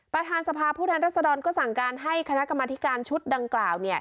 ประธานสภาพผู้แทนรัศดรก็สั่งการให้คณะกรรมธิการชุดดังกล่าว